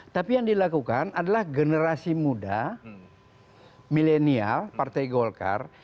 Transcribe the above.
tapi yang dilakukan adalah generasi muda milenial partai golkar